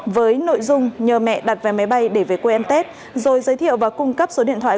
với nội dung nhờ mẹ đặt vé máy bay để về quê ăn tết rồi giới thiệu và cung cấp số điện thoại